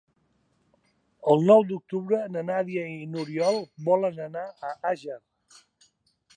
El nou d'octubre na Nàdia i n'Oriol volen anar a Àger.